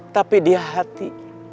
tapi di hati